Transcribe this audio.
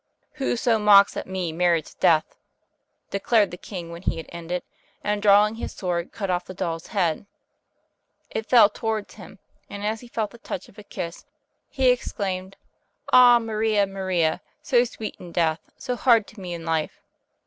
"Who so mocks at me merits death," declared the king when he had ended, and drawing his sword, cut off the doll's head. It fell towards him, and as he felt the touch of a kiss, he exclaimed, "Ah, Maria, Maria, so sweet in death, so hard to me in life!